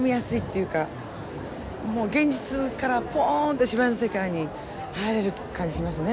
もう現実からぽんと芝居の世界に入れる感じしますね